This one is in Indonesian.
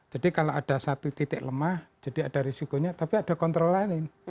jadi kalau ada satu titik lemah jadi ada risikonya tapi ada kontrol lain